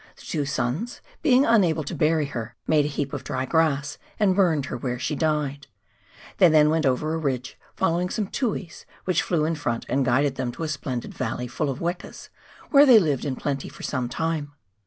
The two sons, being unable to bury her, made a heap of dry grass and burned her where she died. They then went over a ridge, following some tuis which flew in front and guided them to a splendid valley full of wekas, where they lived in plenty for some time.